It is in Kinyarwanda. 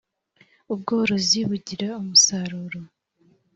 Ubworozi bugira umusaruro.